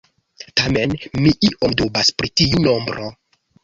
Tamen mi iom dubas pri tiu nombro.